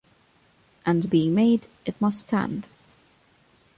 And being made, it must stand.